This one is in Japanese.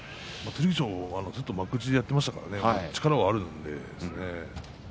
剣翔はずっと幕内でやっていましたから、力はあります。